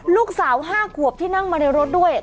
ลูกสาว๕ขวบที่นั่งมาในรถด้วย